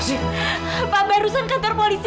tidak ada apa yang terjadi